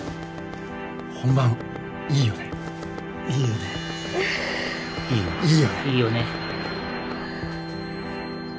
本番いいよねいいよねいいよねいい